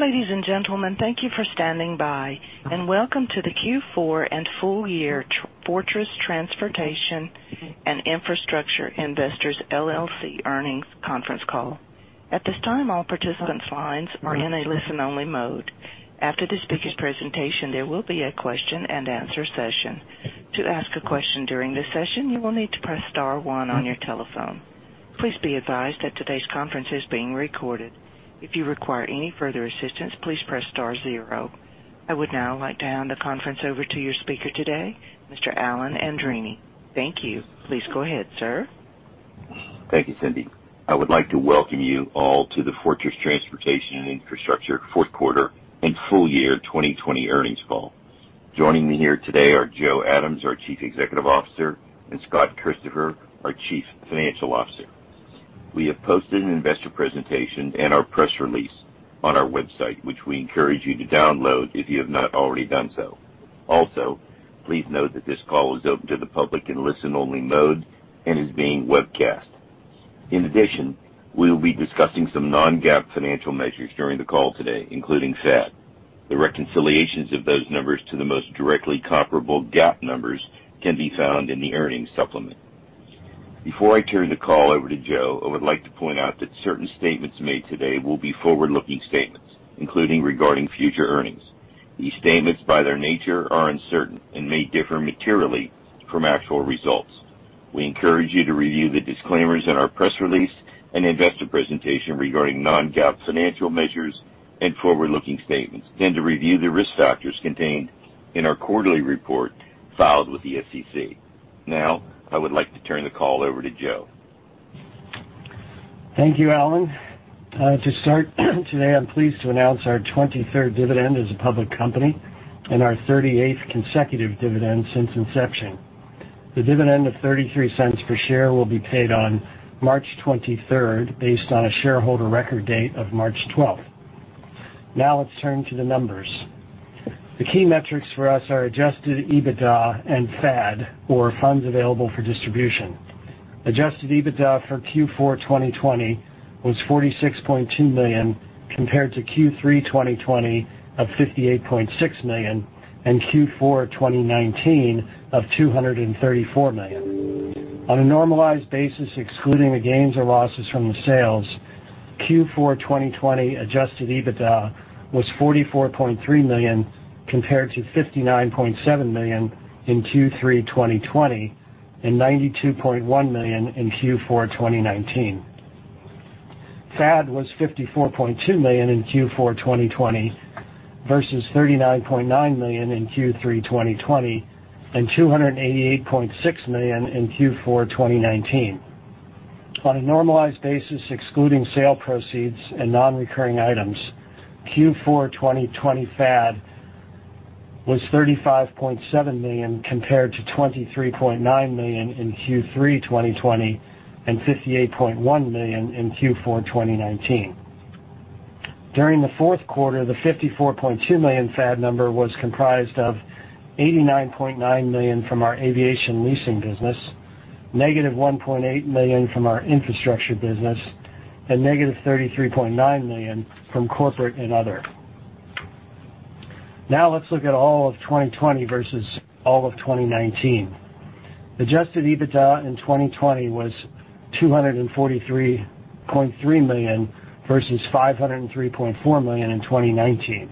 Ladies and gentlemen, thank you for standing by, and welcome to the Q4 and full-year Fortress Transportation and Infrastructure Investors LLC earnings conference call. At this time, all participants' lines are in a listen-only mode. After this speaker's presentation, there will be a question-and-answer session. To ask a question during the session, you will need to press star one on your telephone. Please be advised that today's conference is being recorded. If you require any further assistance, please press star zero. I would now like to hand the conference over to your speaker today, Mr. Alan Andreini. Thank you. Please go ahead, sir. Thank you, Cindy. I would like to welcome you all to the Fortress Transportation and Infrastructure Q4 and full-year 2020 earnings call. Joining me here today are Joe Adams, our Chief Executive Officer, and Scott Christopher, our Chief Financial Officer. We have posted an investor presentation and our press release on our website, which we encourage you to download if you have not already done so. Also, please note that this call is open to the public in listen-only mode and is being webcast. In addition, we will be discussing some non-GAAP financial measures during the call today, including FAD. The reconciliations of those numbers to the most directly comparable GAAP numbers can be found in the earnings supplement. Before I turn the call over to Joe, I would like to point out that certain statements made today will be forward-looking statements, including regarding future earnings. These statements, by their nature, are uncertain and may differ materially from actual results. We encourage you to review the disclaimers in our press release and investor presentation regarding non-GAAP financial measures and forward-looking statements, then to review the risk factors contained in our quarterly report filed with the SEC. Now, I would like to turn the call over to Joe. Thank you, Alan. To start today, I'm pleased to announce our 23rd dividend as a public company and our 38th consecutive dividend since inception. The dividend of $0.33 per share will be paid on March 23rd based on a shareholder record date of March 12th. Now, let's turn to the numbers. The key metrics for us are Adjusted EBITDA and FAD, or funds available for distribution. Adjusted EBITDA for Q4 2020 was $46.2 million compared to Q3 2020 of $58.6 million and Q4 2019 of $234 million. On a normalized basis, excluding the gains or losses from the sales, Q4 2020 Adjusted EBITDA was $44.3 million compared to $59.7 million in Q3 2020 and $92.1 million in Q4 2019. FAD was $54.2 million in Q4 2020 versus $39.9 million in Q3 2020 and $288.6 million in Q4 2019. On a normalized basis, excluding sale proceeds and non-recurring items, Q4 2020 FAD was $35.7 million compared to $23.9 million in Q3 2020 and $58.1 million in Q4 2019. During the Q4, the $54.2 million FAD number was comprised of $89.9 million from our aviation leasing business, negative $1.8 million from our infrastructure business, and negative $33.9 million from corporate and other. Now, let's look at all of 2020 versus all of 2019. Adjusted EBITDA in 2020 was $243.3 million versus $503.4 million in 2019.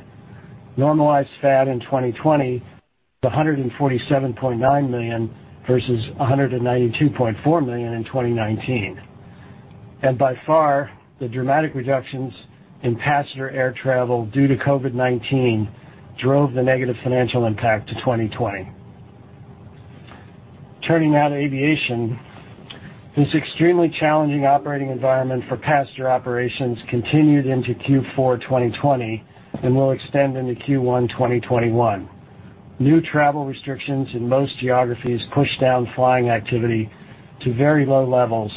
Normalized FAD in 2020 was $147.9 million versus $192.4 million in 2019, and by far, the dramatic reductions in passenger air travel due to COVID-19 drove the negative financial impact to 2020. Turning now to aviation, this extremely challenging operating environment for passenger operations continued into Q4 2020 and will extend into Q1 2021. New travel restrictions in most geographies pushed down flying activity to very low levels,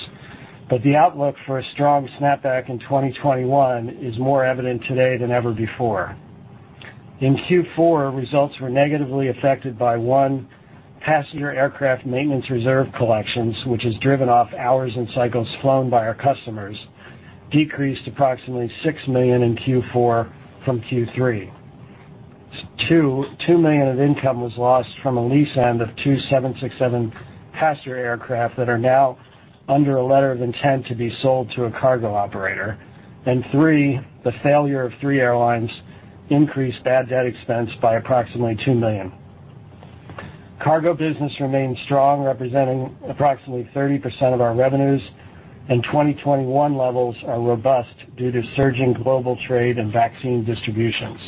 but the outlook for a strong snapback in 2021 is more evident today than ever before. In Q4, results were negatively affected by one, passenger aircraft maintenance reserve collections, which has driven off hours and cycles flown by our customers, decreased approximately 6 million in Q4 from Q3. Two, $2 million of income was lost from a lease end of two 767 passenger aircraft that are now under a letter of intent to be sold to a cargo operator. And three, the failure of three airlines increased bad debt expense by approximately $2 million. Cargo business remains strong, representing approximately 30% of our revenues, and 2021 levels are robust due to surging global trade and vaccine distributions.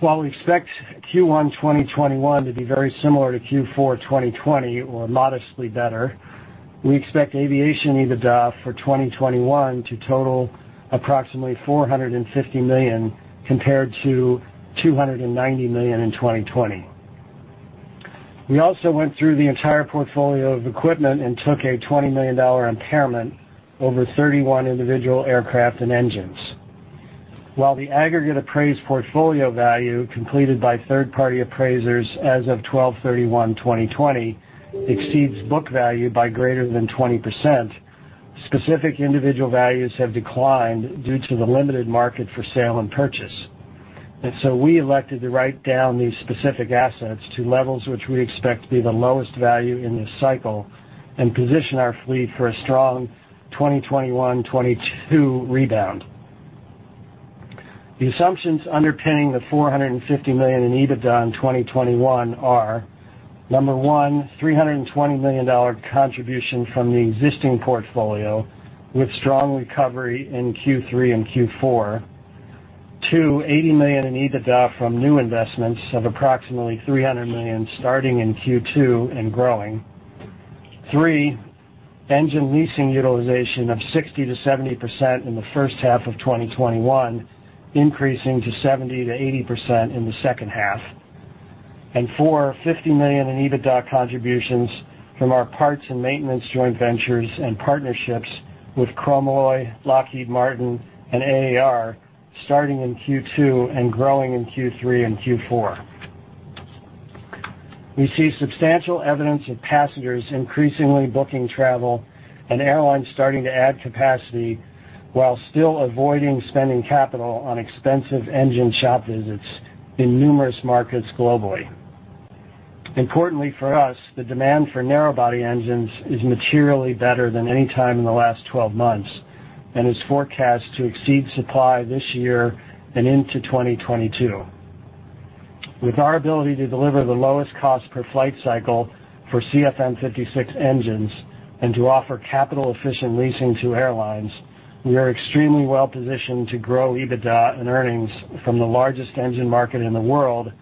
While we expect Q1 2021 to be very similar to Q4 2020 or modestly better, we expect aviation EBITDA for 2021 to total approximately $450 million compared to $290 million in 2020. We also went through the entire portfolio of equipment and took a $20 million impairment over 31 individual aircraft and engines. While the aggregate appraised portfolio value completed by third-party appraisers as of 12/31/2020 exceeds book value by greater than 20%, specific individual values have declined due to the limited market for sale and purchase, and so we elected to write down these specific assets to levels which we expect to be the lowest value in this cycle and position our fleet for a strong 2021-2022 rebound. The assumptions underpinning the $450 million in EBITDA in 2021 are: number one, $320 million contribution from the existing portfolio with strong recovery in Q3 and Q4; two, $80 million in EBITDA from new investments of approximately $300 million starting in Q2 and growing; three, engine leasing utilization of 60%-70% in the first half of 2021, increasing to 70%-80% in the second half; and four, $50 million in EBITDA contributions from our parts and maintenance joint ventures and partnerships with Chromalloy, Lockheed Martin, and AAR starting in Q2 and growing in Q3 and Q4. We see substantial evidence of passengers increasingly booking travel and airlines starting to add capacity while still avoiding spending capital on expensive engine shop visits in numerous markets globally. Importantly for us, the demand for narrowbody engines is materially better than any time in the last 12 months and is forecast to exceed supply this year and into 2022. With our ability to deliver the lowest cost per flight cycle for CFM56 engines and to offer capital-efficient leasing to airlines, we are extremely well-positioned to grow EBITDA and earnings from the largest engine market in the world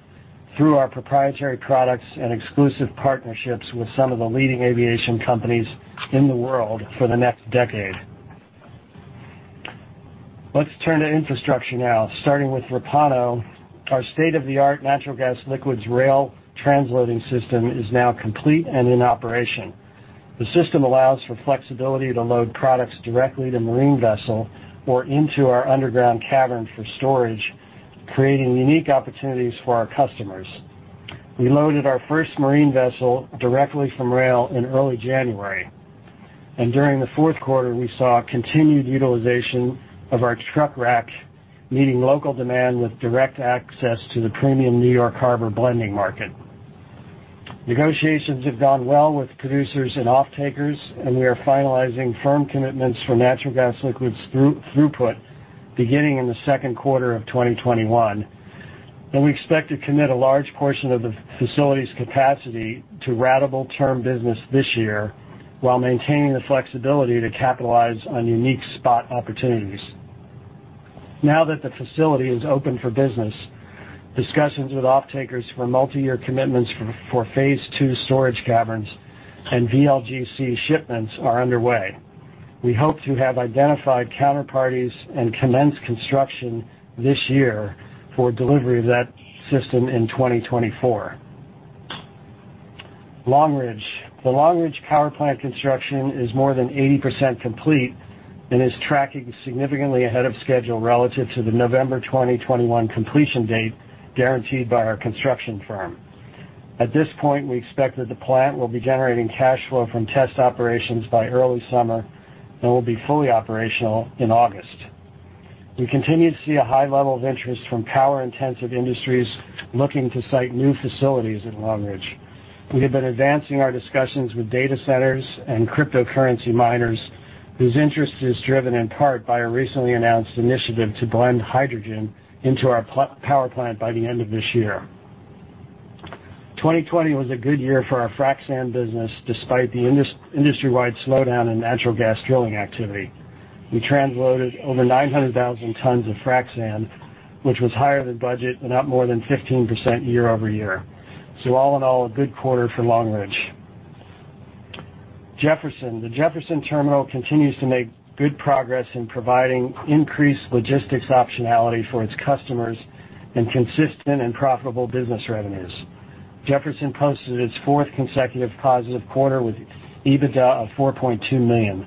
through our proprietary products and exclusive partnerships with some of the leading aviation companies in the world for the next decade. Let's turn to infrastructure now, starting with Repauno. Our state-of-the-art natural gas liquids rail transloading system is now complete and in operation. The system allows for flexibility to load products directly to marine vessel or into our underground cavern for storage, creating unique opportunities for our customers. We loaded our first marine vessel directly from rail in early January. During the Q4, we saw continued utilization of our truck rack, meeting local demand with direct access to the premium New York Harbor blending market. Negotiations have gone well with producers and off-takers, and we are finalizing firm commitments for natural gas liquids throughput beginning in the Q2 of 2021. We expect to commit a large portion of the facility's capacity to ratable term business this year while maintaining the flexibility to capitalize on unique spot opportunities. Now that the facility is open for business, discussions with off-takers for multi-year commitments for phase two storage caverns and VLGC shipments are underway. We hope to have identified counterparties and commence construction this year for delivery of that system in 2024. Longridge. The Longridge Power Plant construction is more than 80% complete and is tracking significantly ahead of schedule relative to the November 2021 completion date guaranteed by our construction firm. At this point, we expect that the plant will be generating cash flow from test operations by early summer and will be fully operational in August. We continue to see a high level of interest from power-intensive industries looking to site new facilities at Longridge. We have been advancing our discussions with data centers and cryptocurrency miners whose interest is driven in part by a recently announced initiative to blend hydrogen into our power plant by the end of this year. 2020 was a good year for our frac sand business despite the industry-wide slowdown in natural gas drilling activity. We transloaded over 900,000 tons of frac sand, which was higher than budget and up more than 15% year-over-year. So all in all, a good quarter for Longridge. Jefferson. The Jefferson terminal continues to make good progress in providing increased logistics optionality for its customers and consistent and profitable business revenues. Jefferson posted its fourth consecutive positive quarter with EBITDA of $4.2 million.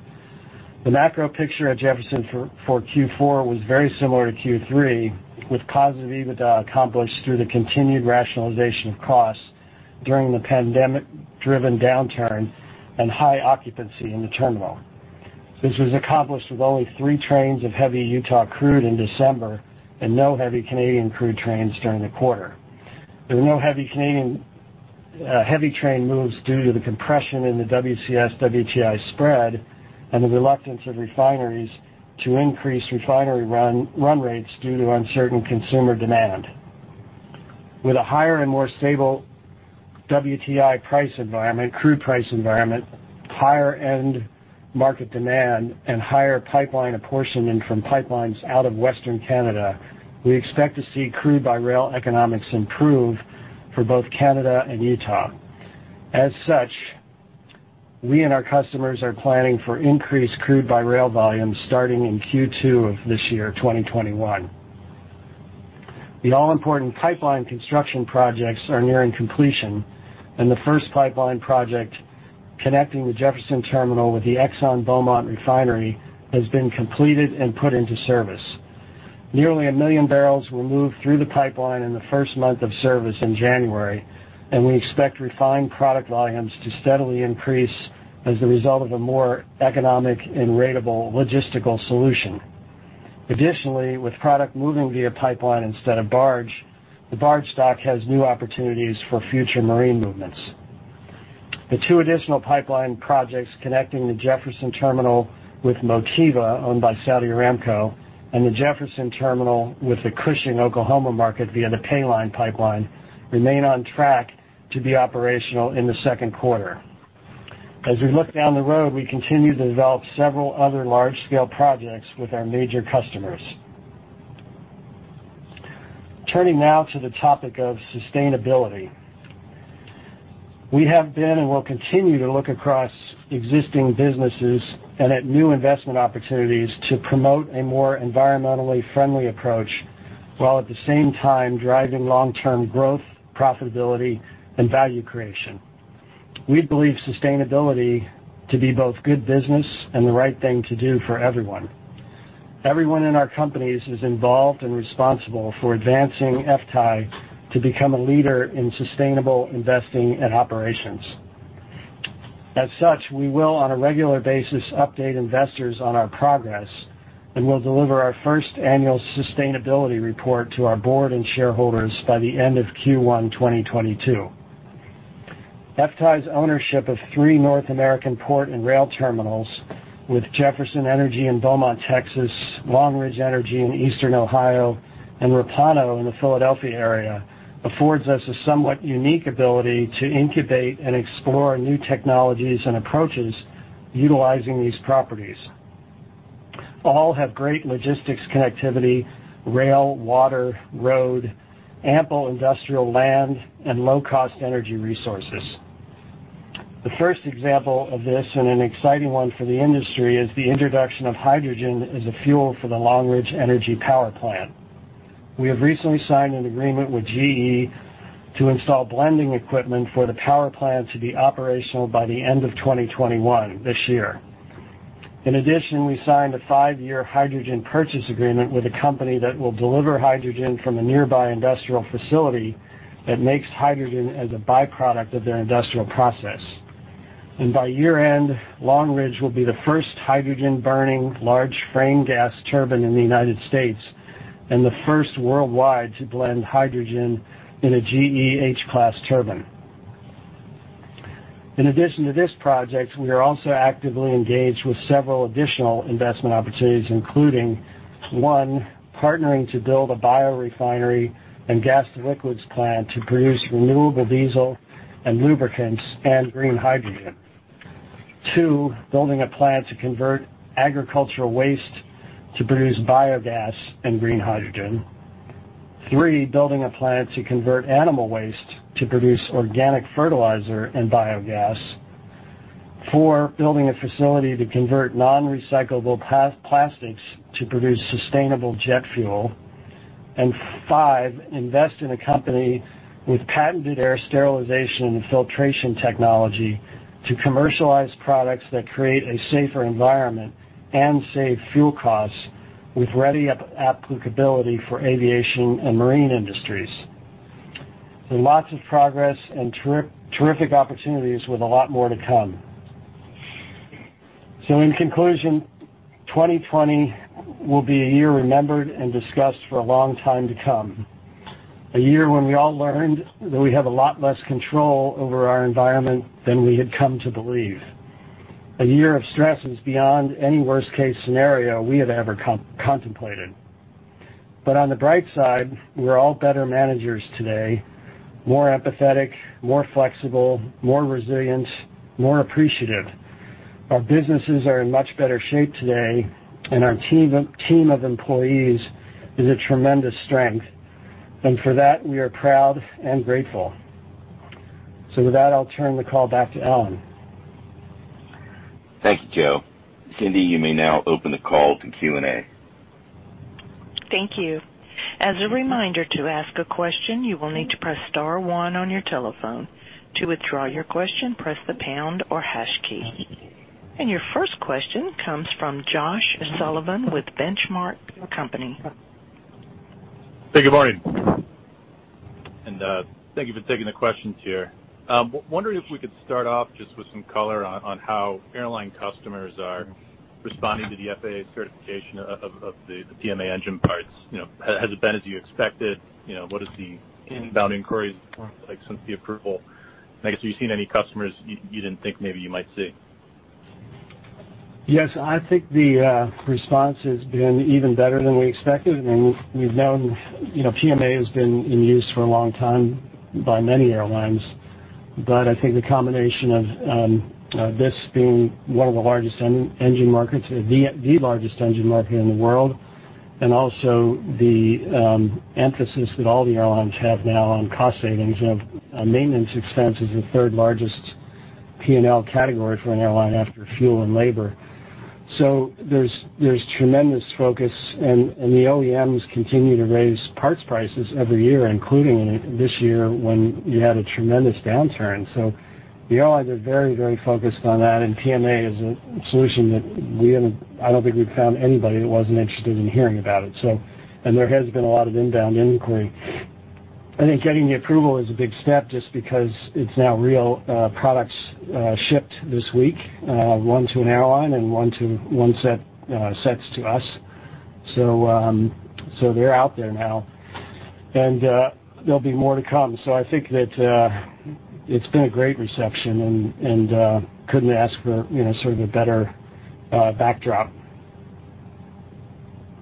The macro picture at Jefferson for Q4 was very similar to Q3, with positive EBITDA accomplished through the continued rationalization of costs during the pandemic-driven downturn and high occupancy in the terminal. This was accomplished with only three trains of heavy Utah crude in December and no heavy Canadian crude trains during the quarter. There were no heavy Canadian crude train moves due to the compression in the WCS/WTI spread and the reluctance of refineries to increase refinery run rates due to uncertain consumer demand. With a higher and more stable WTI price environment, crude price environment, higher end market demand, and higher pipeline apportionment from pipelines out of Western Canada, we expect to see crude by rail economics improve for both Canada and Utah. As such, we and our customers are planning for increased crude by rail volume starting in Q2 of this year, 2021. The all-important pipeline construction projects are nearing completion, and the first pipeline project connecting the Jefferson Terminal with the Exxon Beaumont refinery has been completed and put into service. Nearly a million barrels were moved through the pipeline in the first month of service in January, and we expect refined product volumes to steadily increase as the result of a more economic and ratable logistical solution. Additionally, with product moving via pipeline instead of barge, the barge stock has new opportunities for future marine movements. The two additional pipeline projects connecting the Jefferson Terminal with Motiva, owned by Saudi Aramco, and the Jefferson Terminal with the Cushing, Oklahoma market via the PayLine pipeline remain on track to be operational in the Q2. As we look down the road, we continue to develop several other large-scale projects with our major customers. Turning now to the topic of sustainability. We have been and will continue to look across existing businesses and at new investment opportunities to promote a more environmentally friendly approach while at the same time driving long-term growth, profitability, and value creation. We believe sustainability to be both good business and the right thing to do for everyone. Everyone in our companies is involved and responsible for advancing FTAI to become a leader in sustainable investing and operations. As such, we will, on a regular basis, update investors on our progress and will deliver our first annual sustainability report to our board and shareholders by the end of Q1 2022. FTAI's ownership of three North American port and rail terminals with Jefferson Energy in Beaumont, Texas, Longridge Energy in eastern Ohio, and Repauno in the Philadelphia area affords us a somewhat unique ability to incubate and explore new technologies and approaches utilizing these properties. All have great logistics connectivity, rail, water, road, ample industrial land, and low-cost energy resources. The first example of this, and an exciting one for the industry, is the introduction of hydrogen as a fuel for the Longridge Energy Power Plant. We have recently signed an agreement with GE to install blending equipment for the power plant to be operational by the end of 2021 this year. In addition, we signed a five-year hydrogen purchase agreement with a company that will deliver hydrogen from a nearby industrial facility that makes hydrogen as a byproduct of their industrial process, and by year-end, Longridge will be the first hydrogen-burning large frame gas turbine in the United States and the first worldwide to blend hydrogen in a GE H-class turbine. In addition to this project, we are also actively engaged with several additional investment opportunities, including: one, partnering to build a biorefinery and gas liquids plant to produce renewable diesel and lubricants and green hydrogen. Two, building a plant to convert agricultural waste to produce biogas and green hydrogen. Three, building a plant to convert animal waste to produce organic fertilizer and biogas. Four, building a facility to convert non-recyclable plastics to produce sustainable jet fuel. And five, invest in a company with patented air sterilization and filtration technology to commercialize products that create a safer environment and save fuel costs with ready applicability for aviation and marine industries. There's lots of progress and terrific opportunities with a lot more to come. So in conclusion, 2020 will be a year remembered and discussed for a long time to come. A year when we all learned that we have a lot less control over our environment than we had come to believe. A year of stresses beyond any worst-case scenario we had ever contemplated. But on the bright side, we're all better managers today, more empathetic, more flexible, more resilient, more appreciative. Our businesses are in much better shape today, and our team of employees is a tremendous strength. And for that, we are proud and grateful. So with that, I'll turn the call back to Alan. Thank you, Joe. Cindy, you may now open the call to Q&A. Thank you. As a reminder to ask a question, you will need to press star one on your telephone. To withdraw your question, press the pound or hash key. And your first question comes from Josh Sullivan with Benchmark Company. Hey, good morning. Thank you for taking the questions here. Wondering if we could start off just with some color on how airline customers are responding to the FAA certification of the PMA engine parts. Has it been as you expected? What is the inbound inquiries since the approval? I guess, have you seen any customers you didn't think maybe you might see? Yes, I think the response has been even better than we expected, and we've known PMA has been in use for a long time by many airlines, but I think the combination of this being one of the largest engine markets, the largest engine market in the world, and also the emphasis that all the airlines have now on cost savings, maintenance expense is the third largest P&L category for an airline after fuel and labor. So there's tremendous focus, and the OEMs continue to raise parts prices every year, including this year when you had a tremendous downturn, so the airlines are very, very focused on that, and PMA is a solution that I don't think we've found anybody that wasn't interested in hearing about it, and there has been a lot of inbound inquiry. I think getting the approval is a big step just because it's now real products shipped this week, one to an airline and one set to us. So they're out there now, and there'll be more to come. So I think that it's been a great reception and couldn't ask for sort of a better backdrop.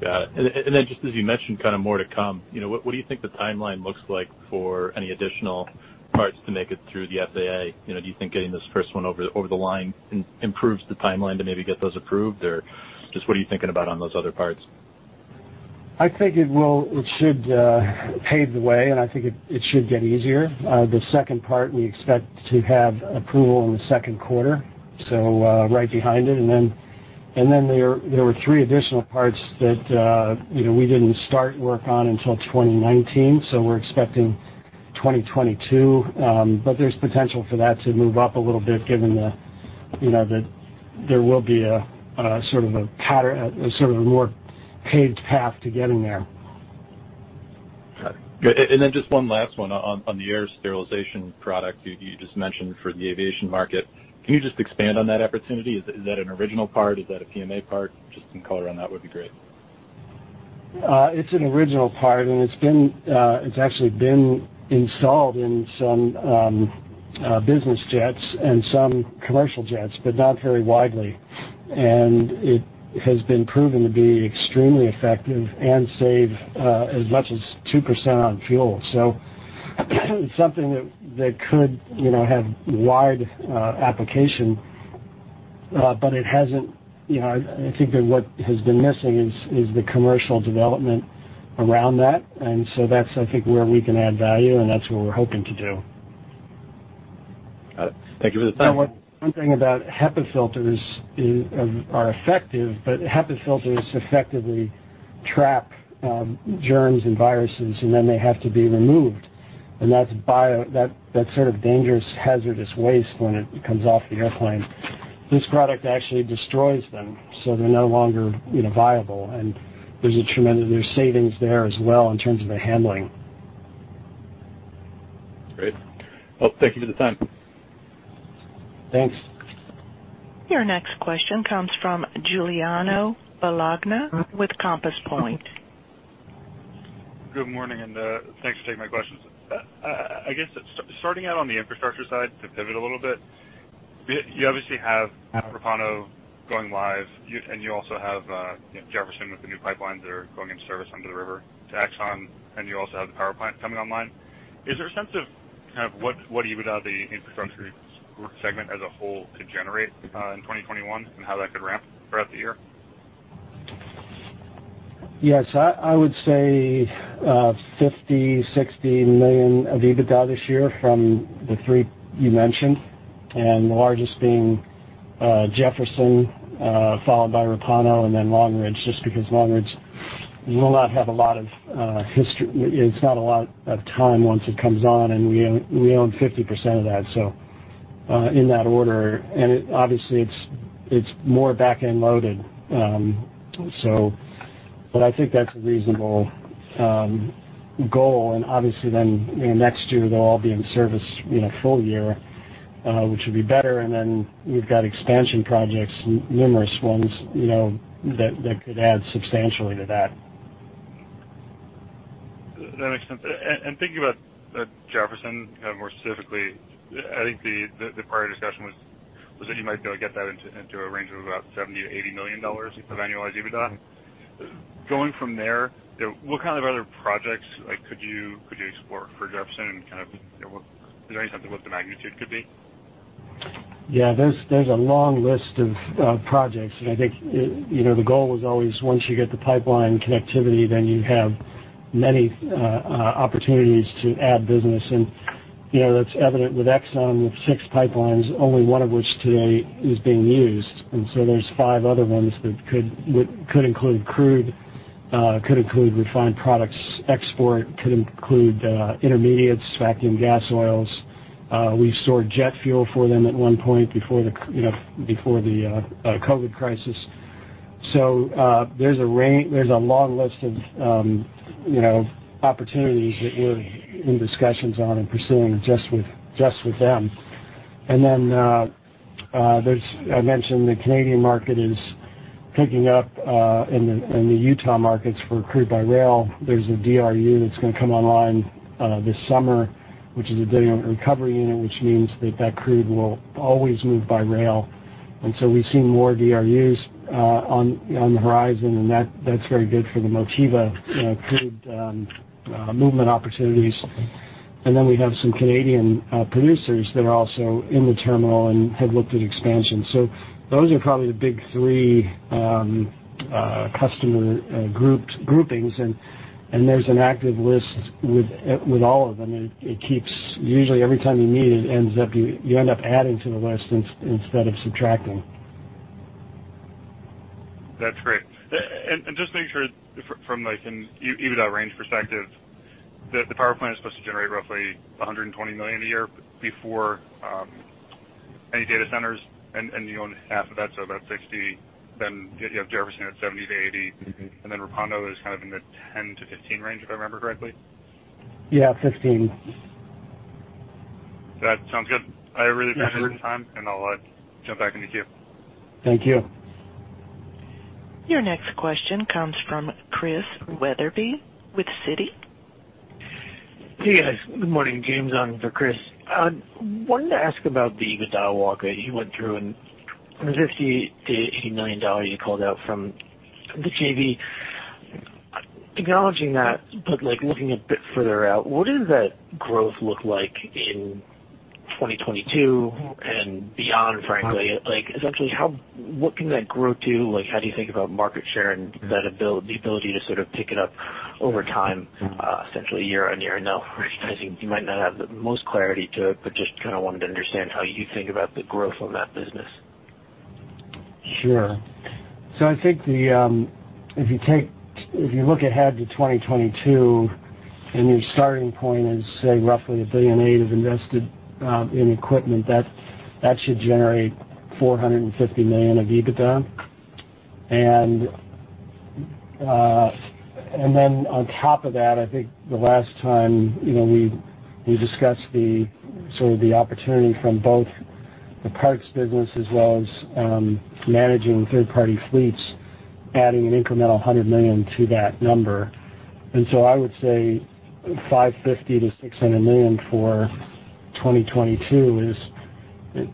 Got it. And then just as you mentioned kind of more to come, what do you think the timeline looks like for any additional parts to make it through the FAA? Do you think getting this first one over the line improves the timeline to maybe get those approved, or just what are you thinking about on those other parts? I think it should pave the way, and I think it should get easier. The second part, we expect to have approval in the Q2, so right behind it. And then there were three additional parts that we didn't start work on until 2019, so we're expecting 2022. But there's potential for that to move up a little bit given that there will be a sort of a more paved path to getting there. Got it. And then just one last one on the air sterilization product you just mentioned for the aviation market. Can you just expand on that opportunity? Is that an original part? Is that a PMA part? Just some color on that would be great. It's an original part, and it's actually been installed in some business jets and some commercial jets, but not very widely. And it has been proven to be extremely effective and save as much as 2% on fuel. So it's something that could have wide application, but it hasn't. I think that what has been missing is the commercial development around that. And so that's, I think, where we can add value, and that's what we're hoping to do. Got it. Thank you for the time. One thing about HEPA filters are effective, but HEPA filters effectively trap germs and viruses, and then they have to be removed, and that's sort of dangerous, hazardous waste when it comes off the airplane. This product actually destroys them, so they're no longer viable, and there's a tremendous savings there as well in terms of the handling. Great. Well, thank you for the time. Thanks. Your next question comes from Giuliano Bologna with Compass Point. Good morning, and thanks for taking my questions. I guess starting out on the infrastructure side to pivot a little bit, you obviously have Repauno going live, and you also have Jefferson with the new pipelines that are going into service under the river to Exxon, and you also have the power plant coming online. Is there a sense of kind of what EBITDA the infrastructure segment as a whole could generate in 2021 and how that could ramp throughout the year? Yes, I would say $50million-$60 million of EBITDA this year from the three you mentioned, and the largest being Jefferson, followed by Repauno, and then Longridge, just because Longridge will not have a lot of history. It's not a lot of time once it comes on, and we own 50% of that, so in that order, and obviously, it's more back-end loaded, but I think that's a reasonable goal, and obviously, then next year, they'll all be in service full year, which would be better, and then we've got expansion projects, numerous ones, that could add substantially to that. That makes sense. And thinking about Jefferson kind of more specifically, I think the prior discussion was that you might be able to get that into a range of about $70 million-$80 million of annualized EBITDA. Going from there, what kind of other projects could you explore for Jefferson? And kind of is there any sense of what the magnitude could be? Yeah, there's a long list of projects. And I think the goal was always once you get the pipeline connectivity, then you have many opportunities to add business. And that's evident with Exxon, with six pipelines, only one of which today is being used. And so there's five other ones that could include crude, could include refined products, export, could include intermediates, vacuum gas oils. We stored jet fuel for them at one point before the COVID crisis. So there's a long list of opportunities that we're in discussions on and pursuing just with them. And then I mentioned the Canadian market is picking up in the Utah markets for crude by rail. There's a DRU that's going to come online this summer, which is a recovery unit, which means that that crude will always move by rail. And so we see more DRUs on the horizon, and that's very good for the Motiva crude movement opportunities. And then we have some Canadian producers that are also in the terminal and have looked at expansion. So those are probably the big three customer groupings. And there's an active list with all of them. It keeps usually every time you need it, you end up adding to the list instead of subtracting. That's great. And just to make sure from an EBITDA range perspective, the power plant is supposed to generate roughly $120 million a year before any data centers, and you own half of that, so about $60million. Then you have Jefferson at $70million-$80million, and then Repauno is kind of in the $10-$15 range if I remember correctly. Yeah, $15. That sounds good. I really appreciate your time, and I'll jump back into Q. Thank you. Your next question comes from Chris Wetherbee with Citi. Hey, guys. Good morning. James on for Chris. I wanted to ask about the EBITDA walk that you went through and the $50-$80 million you called out from the JV. Acknowledging that, but looking a bit further out, what does that growth look like in 2022 and beyond, frankly? Essentially, what can that grow to? How do you think about market share and the ability to sort of pick it up over time, essentially year on year? And now, recognizing you might not have the most clarity to it, but just kind of wanted to understand how you think about the growth on that business. Sure. So I think if you look ahead to 2022 and your starting point is, say, roughly $1.8 billion have invested in equipment, that should generate $450 million of EBITDA. And then on top of that, I think the last time we discussed sort of the opportunity from both the parts business as well as managing third-party fleets, adding an incremental $100 million to that number. And so I would say $550 million-$600 million for 2022.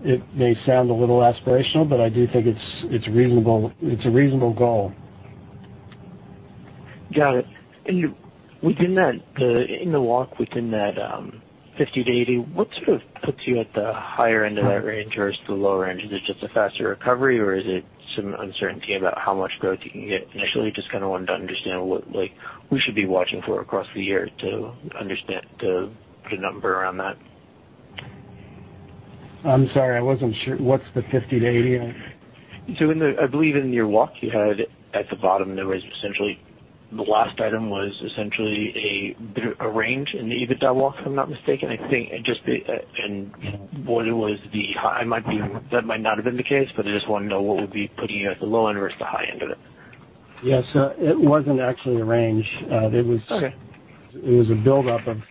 It may sound a little aspirational, but I do think it's a reasonable goal. Got it. And within that, in the walk within that 50 to 80, what sort of puts you at the higher end of that range versus the lower end? Is it just a faster recovery, or is it some uncertainty about how much growth you can get initially? Just kind of wanted to understand what we should be watching for across the year to put a number around that. I'm sorry, I wasn't sure. What's the 50 to 80? So I believe in your walk you had at the bottom, there was essentially the last item was essentially a range in the EBITDA walk, if I'm not mistaken. I think just what it was. I might be, that might not have been the case, but I just want to know what would be putting you at the low end versus the high end of it. Yes, it wasn't actually a range. It was a buildup of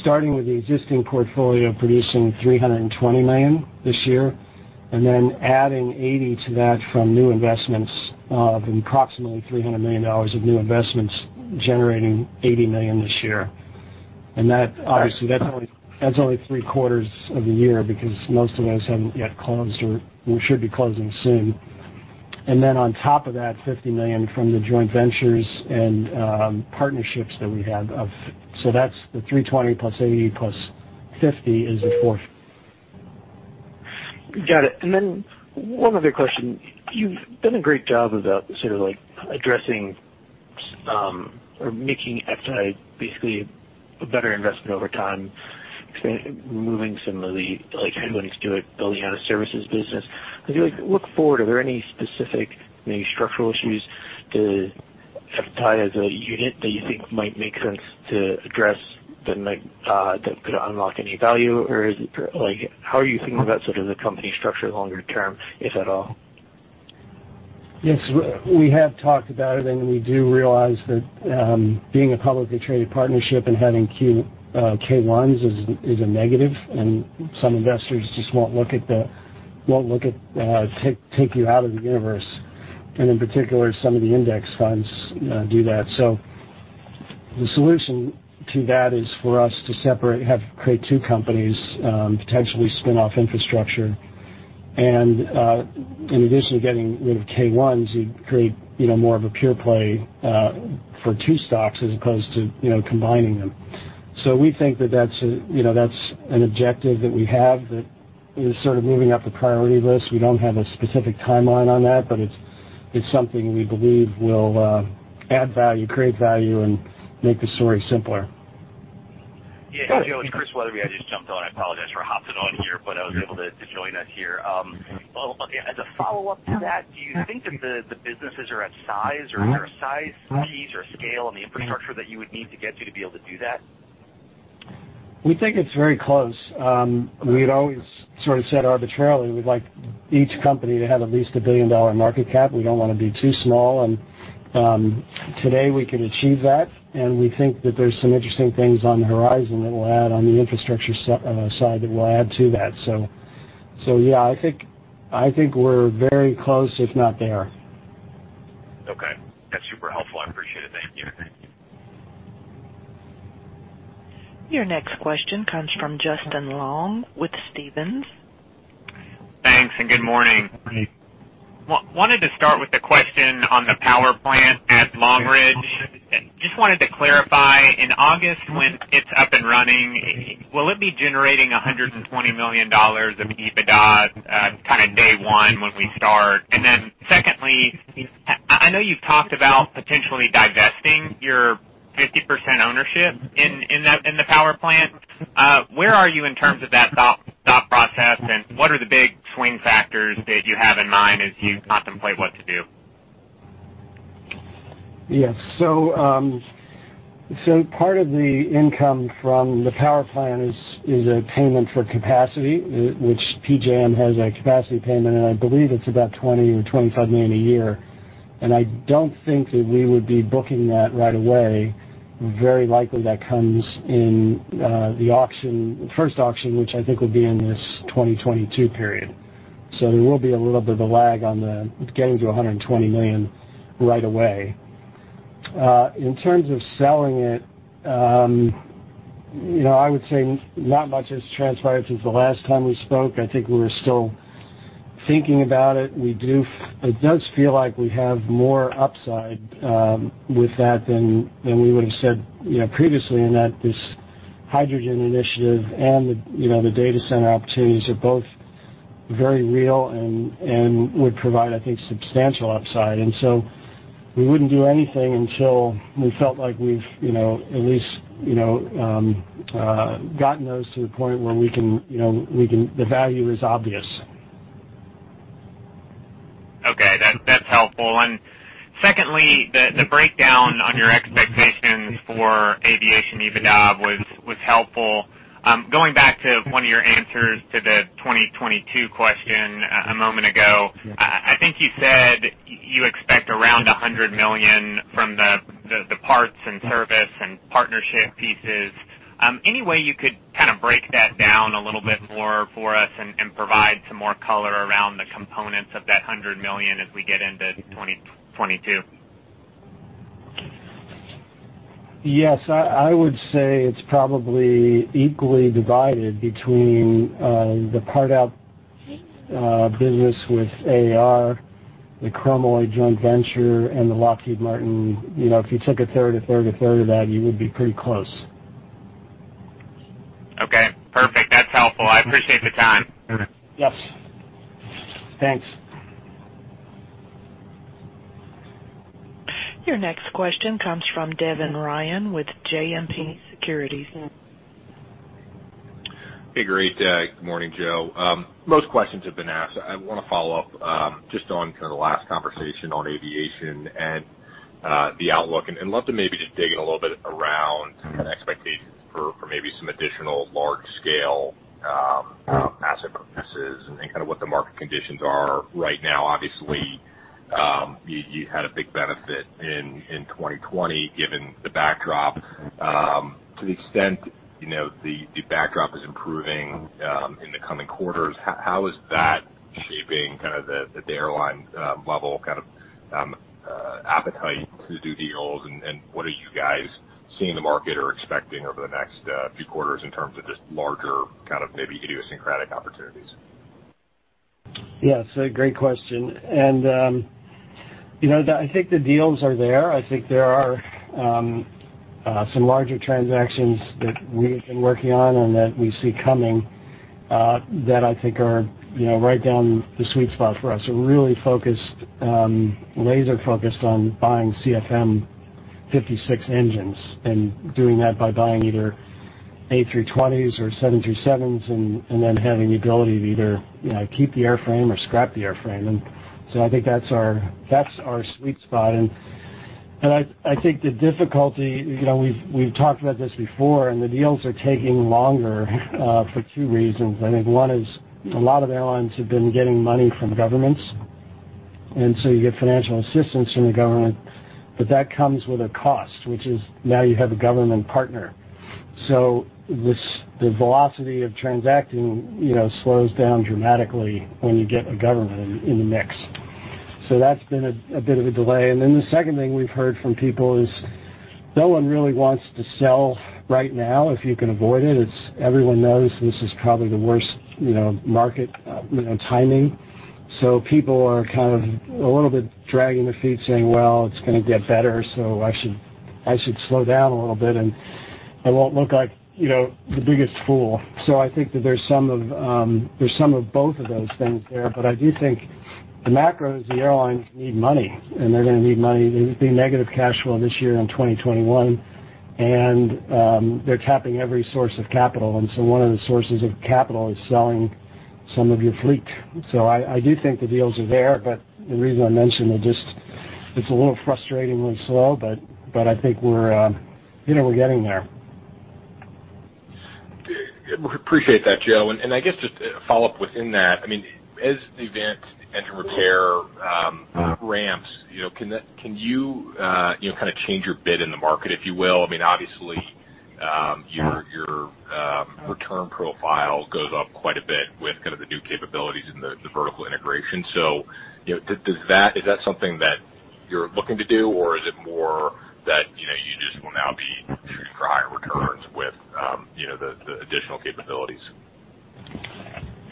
starting with the existing portfolio producing $320 million this year and then adding $80 million to that from new investments of approximately $300 million of new investments generating $80 million this year. And obviously, that's only three quarters of the year because most of those haven't yet closed or should be closing soon. And then on top of that, $50 million from the joint ventures and partnerships that we have. So that's the 320 plus 80 plus 50 is the fourth. Got it. And then one other question. You've done a great job about sort of addressing or making FTAI basically a better investment over time, moving some of the headwinds to it, building out a services business. As you look forward, are there any specific maybe structural issues to FTAI as a unit that you think might make sense to address that could unlock any value? Or how are you thinking about sort of the company structure longer term, if at all? Yes, we have talked about it, and we do realize that being a publicly traded partnership and having K-1s is a negative, and some investors just won't look at, take you out of the universe. And in particular, some of the index funds do that. So the solution to that is for us to separate, have to create two companies, potentially spin off infrastructure. And in addition to getting rid of K-1s, you create more of a pure play for two stocks as opposed to combining them. So we think that that's an objective that we have that is sort of moving up the priority list. We don't have a specific timeline on that, but it's something we believe will add value, create value, and make the story simpler. Yeah. Joe and Chris Wetherbee, I just jumped on. I apologize for hopping on here, but I was able to join us here. As a follow-up to that, do you think that the businesses are at size or is there a size piece or scale on the infrastructure that you would need to get to to be able to do that? We think it's very close. We'd always sort of said arbitrarily, we'd like each company to have at least a $1 billion market cap. We don't want to be too small, and today we could achieve that. We think that there's some interesting things on the horizon that will add on the infrastructure side that will add to that, so yeah, I think we're very close, if not there. Okay. That's super helpful. I appreciate it. Thank you. Your next question comes from Justin Long with Stephens. Thanks and good morning. Wanted to start with the question on the power plant at Longridge. Just wanted to clarify, in August when it's up and running, will it be generating $120 million of EBITDA kind of day one when we start? And then secondly, I know you've talked about potentially divesting your 50% ownership in the power plant. Where are you in terms of that thought process, and what are the big swing factors that you have in mind as you contemplate what to do? Yes. So part of the income from the power plant is a payment for capacity, which PJM has a capacity payment, and I believe it's about $20-$25 million a year. And I don't think that we would be booking that right away. Very likely that comes in the first auction, which I think will be in this 2022 period. So there will be a little bit of a lag on getting to $120 million right away. In terms of selling it, I would say not much has transpired since the last time we spoke. I think we're still thinking about it. It does feel like we have more upside with that than we would have said previously in that this hydrogen initiative and the data center opportunities are both very real and would provide, I think, substantial upside. And so we wouldn't do anything until we felt like we've at least gotten those to the point where we can the value is obvious. Okay. That's helpful. And secondly, the breakdown on your expectations for aviation EBITDA was helpful. Going back to one of your answers to the 2022 question a moment ago, I think you said you expect around $100 million from the parts and service and partnership pieces. Any way you could kind of break that down a little bit more for us and provide some more color around the components of that $100 million as we get into 2022? Yes. I would say it's probably equally divided between the part-out business with AAR, the Chromalloy joint venture, and the Lockheed Martin. If you took a third, a third, a third of that, you would be pretty close. Okay. Perfect. That's helpful. I appreciate the time. Yes. Thanks. Your next question comes from Devin Ryan with JMP Securities. Hey, great. Good morning, Joe. Most questions have been asked. I want to follow up just on kind of the last conversation on aviation and the outlook. And I'd love to maybe just dig in a little bit around expectations for maybe some additional large-scale asset purchases and kind of what the market conditions are right now. Obviously, you had a big benefit in 2020 given the backdrop. To the extent the backdrop is improving in the coming quarters, how is that shaping kind of the airline level kind of appetite to do deals? And what are you guys seeing in the market or expecting over the next few quarters in terms of just larger kind of maybe idiosyncratic opportunities? Yeah. It's a great question. And I think the deals are there. I think there are some larger transactions that we have been working on and that we see coming that I think are right down the sweet spot for us. We're really focused, laser-focused on buying CFM56 engines and doing that by buying either A320s or 737s and then having the ability to either keep the airframe or scrap the airframe. And so I think that's our sweet spot. And I think the difficulty we've talked about this before, and the deals are taking longer for two reasons. I think one is a lot of airlines have been getting money from governments. And so you get financial assistance from the government, but that comes with a cost, which is now you have a government partner. So the velocity of transacting slows down dramatically when you get a government in the mix. So that's been a bit of a delay. And then the second thing we've heard from people is no one really wants to sell right now if you can avoid it. Everyone knows this is probably the worst market timing. So people are kind of a little bit dragging their feet saying, "Well, it's going to get better, so I should slow down a little bit, and I won't look like the biggest fool." So I think that there's some of both of those things there. But I do think the macros, the airlines need money, and they're going to need money. They've been negative cash flow this year in 2021, and they're tapping every source of capital. And so one of the sources of capital is selling some of your fleet. So I do think the deals are there, but the reason I mentioned it's a little frustratingly slow, but I think we're getting there. Appreciate that, Joe, and I guess just to follow up within that. I mean, as the engines enter repair ramps, can you kind of change your bid in the market, if you will? I mean, obviously, your return profile goes up quite a bit with kind of the new capabilities and the vertical integration, so is that something that you're looking to do, or is it more that you just will now be shooting for higher returns with the additional capabilities?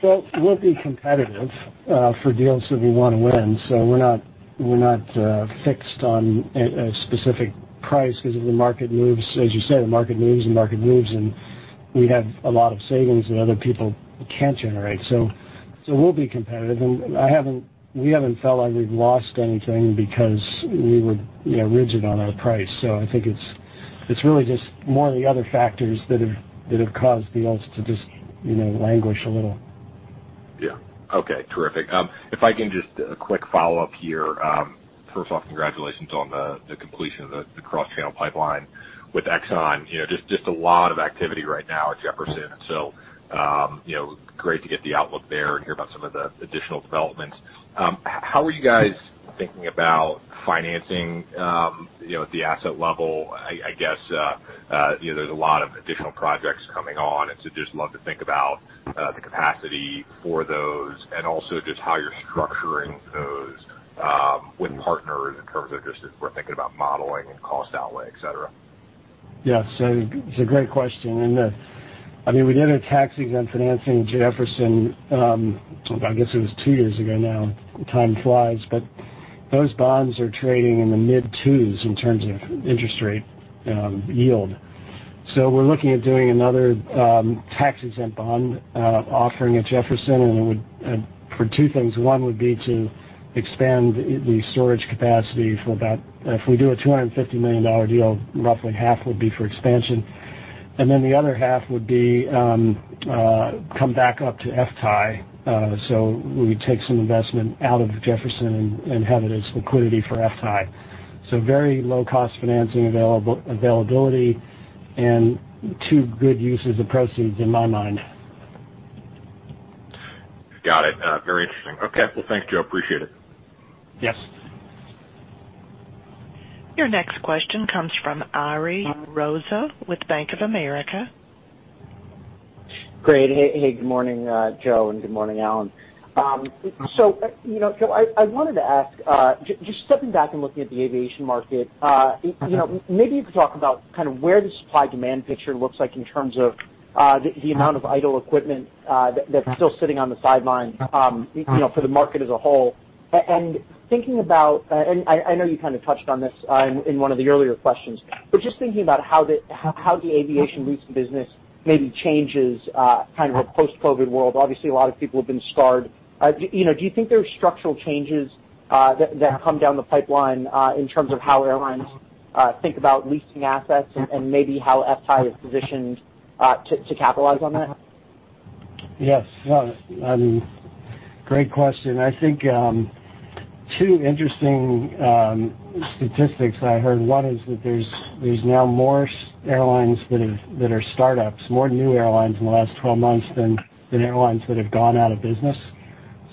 We'll be competitive for deals that we want to win. So we're not fixed on a specific price because if the market moves, as you say, the market moves, the market moves, and we have a lot of savings that other people can't generate. So we'll be competitive. And we haven't felt like we've lost anything because we were rigid on our price. So I think it's really just more of the other factors that have caused deals to just languish a little. Yeah. Okay. Terrific. If I can just a quick follow-up here. First off, congratulations on the completion of the cross-channel pipeline with Exxon. Just a lot of activity right now at Jefferson. So great to get the outlook there and hear about some of the additional developments. How are you guys thinking about financing at the asset level? I guess there's a lot of additional projects coming on. And so just love to think about the capacity for those and also just how you're structuring those with partners in terms of just if we're thinking about modeling and cost outlay, etc. Yes. It's a great question. And I mean, we did a tax-exempt financing at Jefferson. I guess it was two years ago now. Time flies. But those bonds are trading in the mid-2s in terms of interest rate yield. So we're looking at doing another tax-exempt bond offering at Jefferson. And it would be for two things. One would be to expand the storage capacity for about if we do a $250 million deal, roughly half would be for expansion. And then the other half would come back up to FTAI. So we would take some investment out of Jefferson and have it as liquidity for FTAI. So very low-cost financing availability and two good uses of proceeds in my mind. Got it. Very interesting. Okay. Well, thanks, Joe. Appreciate it. Yes. Your next question comes from Ari Rosa with Bank of America. Great. Hey, good morning, Joe, and good morning, Alan. So Joe, I wanted to ask, just stepping back and looking at the aviation market, maybe you could talk about kind of where the supply-demand picture looks like in terms of the amount of idle equipment that's still sitting on the sidelines for the market as a whole. And thinking about, and I know you kind of touched on this in one of the earlier questions, but just thinking about how the aviation lease business maybe changes kind of a post-COVID world. Obviously, a lot of people have been scarred. Do you think there are structural changes that come down the pipeline in terms of how airlines think about leasing assets and maybe how FTAI is positioned to capitalize on that? Yes, well, I mean, great question. I think two interesting statistics I heard. One is that there's now more airlines that are startups, more new airlines in the last 12 months than airlines that have gone out of business,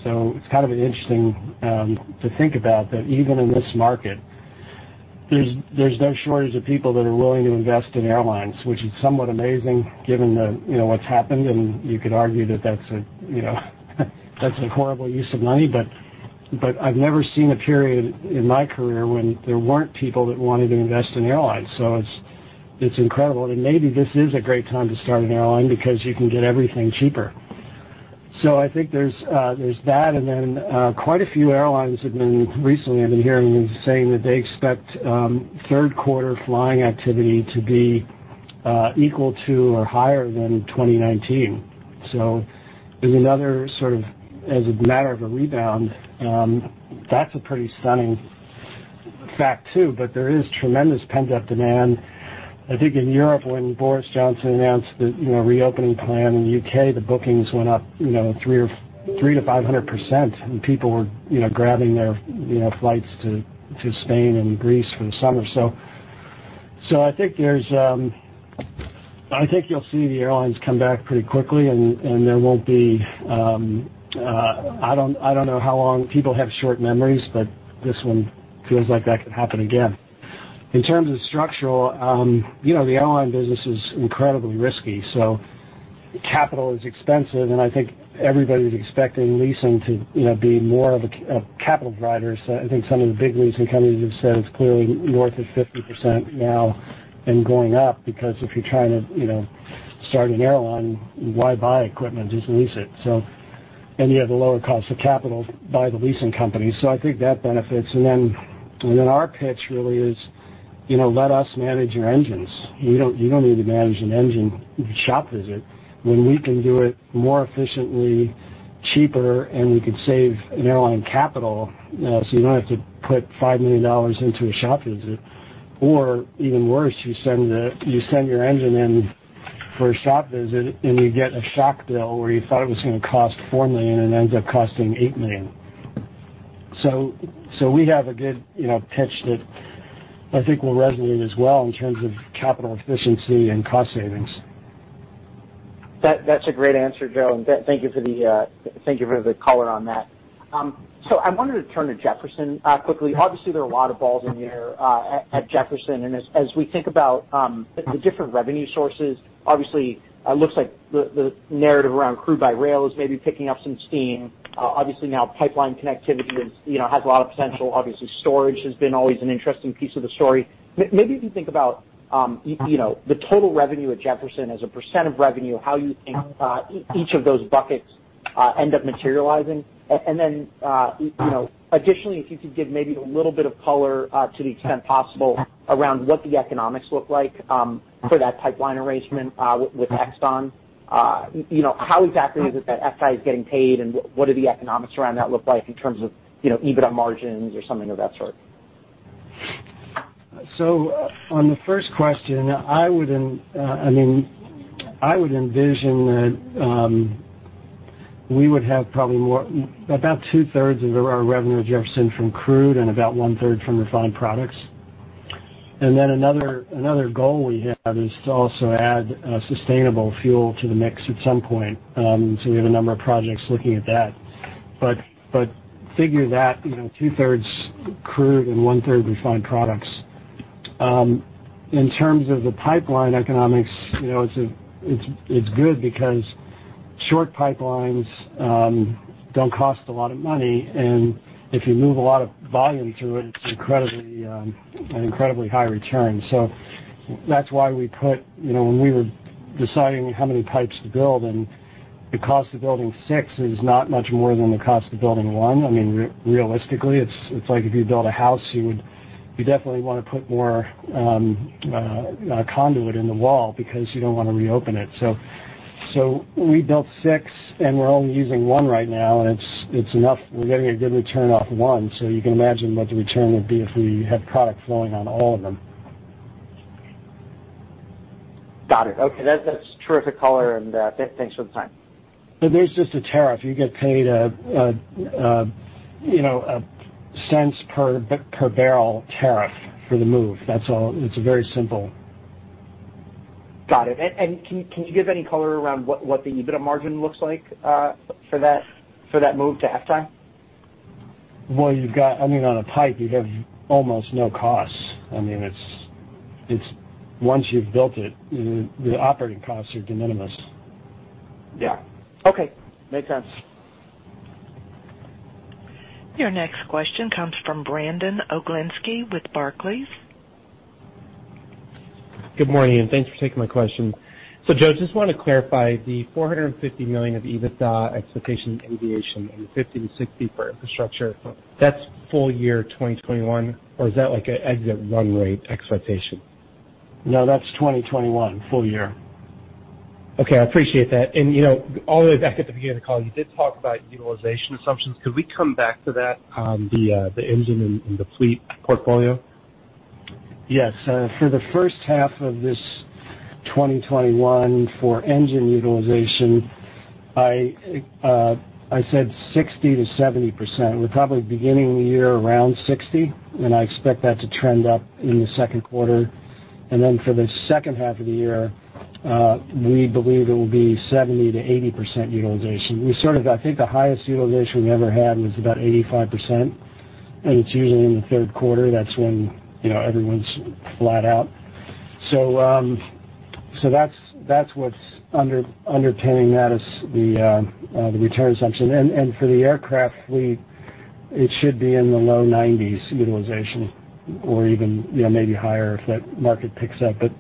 so it's kind of interesting to think about that even in this market, there's no shortage of people that are willing to invest in airlines, which is somewhat amazing given what's happened, and you could argue that that's a horrible use of money, but I've never seen a period in my career when there weren't people that wanted to invest in airlines, so it's incredible, and maybe this is a great time to start an airline because you can get everything cheaper, so I think there's that. And then quite a few airlines have been recently. I've been hearing them saying that they expect third-quarter flying activity to be equal to or higher than 2019. So there's another sort of, as a matter of a rebound, that's a pretty stunning fact too. But there is tremendous pent-up demand. I think in Europe, when Boris Johnson announced the reopening plan in the U.K., the bookings went up 300%-500%, and people were grabbing their flights to Spain and Greece for the summer. So I think you'll see the airlines come back pretty quickly, and there won't be I don't know how long. People have short memories, but this one feels like that could happen again. In terms of structural, the airline business is incredibly risky. So capital is expensive, and I think everybody's expecting leasing to be more of a capital driver. So I think some of the big leasing companies have said it's clearly north of 50% now and going up because if you're trying to start an airline, why buy equipment? Just lease it. And you have a lower cost of capital by the leasing company. So I think that benefits. And then our pitch really is, "Let us manage your engines. You don't need to manage an engine shop visit when we can do it more efficiently, cheaper, and we can save an airline capital." So you don't have to put $5 million into a shop visit. Or even worse, you send your engine in for a shop visit, and you get a shock bill where you thought it was going to cost $4 million and ends up costing $8 million. So we have a good pitch that I think will resonate as well in terms of capital efficiency and cost savings. That's a great answer, Joe, and thank you for the color on that, so I wanted to turn to Jefferson quickly. Obviously, there are a lot of balls in the air at Jefferson, and as we think about the different revenue sources, obviously, it looks like the narrative around crude by rail is maybe picking up some steam. Obviously, now pipeline connectivity has a lot of potential. Obviously, storage has been always an interesting piece of the story. Maybe if you think about the total revenue at Jefferson as a % of revenue, how you think each of those buckets end up materializing. Additionally, if you could give maybe a little bit of color to the extent possible around what the economics look like for that pipeline arrangement with Exxon, how exactly is it that FTAI is getting paid, and what do the economics around that look like in terms of EBITDA margins or something of that sort? So on the first question, I mean, I would envision that we would have probably about two-thirds of our revenue at Jefferson from crude and about one-third from refined products. And then another goal we have is to also add sustainable fuel to the mix at some point. So we have a number of projects looking at that. But figure that two-thirds crude and one-third refined products. In terms of the pipeline economics, it's good because short pipelines don't cost a lot of money. And if you move a lot of volume through it, it's an incredibly high return. So that's why we put, when we were deciding how many pipes to build, and the cost of building six is not much more than the cost of building one. I mean, realistically, it's like if you build a house, you definitely want to put more conduit in the wall because you don't want to reopen it. So we built six, and we're only using one right now, and it's enough. We're getting a good return off one. So you can imagine what the return would be if we had product flowing on all of them. Got it. Okay. That's terrific color. And thanks for the time. But there's just a tariff. You get paid a cents per barrel tariff for the move. That's all. It's very simple. Got it. And can you give any color around what the EBITDA margin looks like for that move to FTAI? I mean, on a pipe, you have almost no costs. I mean, once you've built it, the operating costs are de minimis. Yeah. Okay. Makes sense. Your next question comes from Brandon Oglenski with Barclays. Good morning. Thanks for taking my question. Joe, I just want to clarify the $450 million of EBITDA expectation in aviation and the $50-$60 for infrastructure. That's full year 2021, or is that like an exit run rate expectation? No, that's 2021, full year. Okay. I appreciate that. And all the way back at the beginning of the call, you did talk about utilization assumptions. Could we come back to that, the engine and the fleet portfolio? Yes. For the first half of this 2021 for engine utilization, I said 60%-70%. We're probably beginning the year around 60%, and I expect that to trend up in the Q2. And then for the second half of the year, we believe it will be 70%-80% utilization. I think the highest utilization we ever had was about 85%, and it's usually in the Q3. That's when everyone's flat out. So that's what's underpinning that, the return assumption. And for the aircraft fleet, it should be in the low 90s% utilization or even maybe higher if that market picks up. But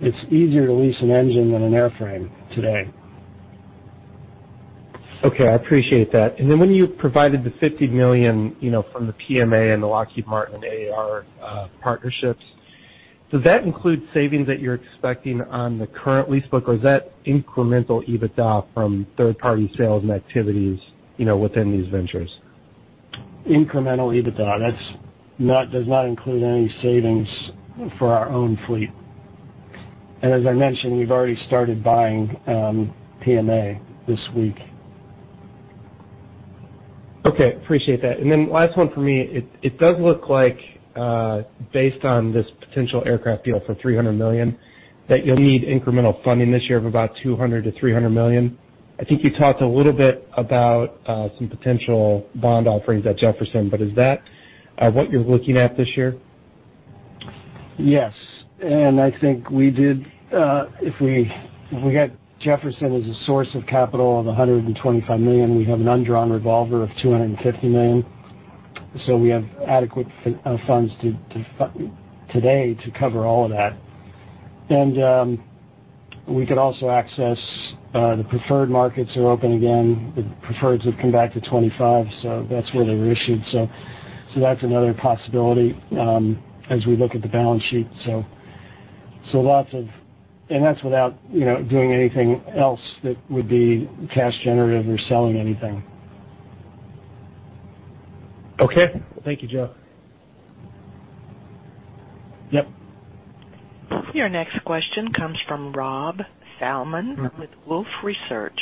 it's easier to lease an engine than an airframe today. Okay. I appreciate that. And then when you provided the $50 million from the PMA and the Lockheed Martin and AAR partnerships, does that include savings that you're expecting on the current lease book? Or is that incremental EBITDA from third-party sales and activities within these ventures? Incremental EBITDA. That does not include any savings for our own fleet. And as I mentioned, we've already started buying PMA this week. Okay. Appreciate that. And then last one for me, it does look like, based on this potential aircraft deal for $300 million, that you'll need incremental funding this year of about $200-$300 million. I think you talked a little bit about some potential bond offerings at Jefferson, but is that what you're looking at this year? Yes. And I think we did. If we got Jefferson as a source of capital of $125 million, we have an undrawn revolver of $250 million. So we have adequate funds today to cover all of that. And we could also access the preferred markets. They are open again. The preferred have come back to $25, so that's where they were issued. So that's another possibility as we look at the balance sheet. So lots of, and that's without doing anything else that would be cash-generative or selling anything. Okay. Thank you, Joe. Yep. Your next question comes from Rob Salmon with Wolfe Research.